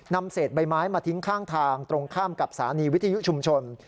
นำเศษใบไม้มาทิ้งข้างทางตรงข้ามกับสถานีวิทยุชุมชน